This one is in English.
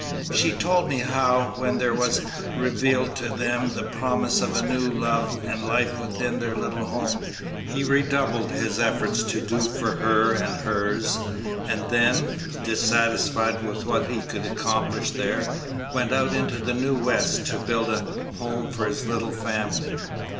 She told me how, when there was revealed to them the promise of a new love and life within their little home, he redoubled his efforts to do for her and hers, and then, dissatisfied with what he could accomplish there, went out into the new West to build a home for his little family.